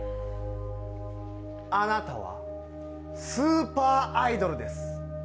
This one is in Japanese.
あなたは、スーパーアイドルです。